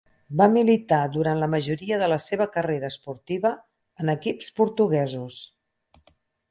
Va militar durant la majoria de la seva carrera esportiva en equips portuguesos.